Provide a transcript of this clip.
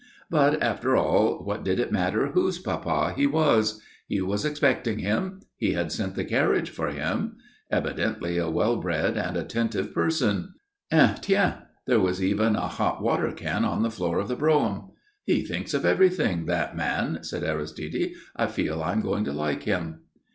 But, after all, what did it matter whose papa he was? He was expecting him. He had sent the carriage for him. Evidently a well bred and attentive person. And tiens! there was even a hot water can on the floor of the brougham. "He thinks of everything, that man," said Aristide. "I feel I am going to like him."